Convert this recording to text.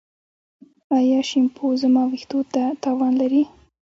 ایا شیمپو زما ویښتو ته تاوان لري؟